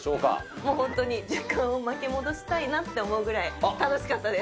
もう本当に時間を巻き戻したいなって思うくらい楽しかったです。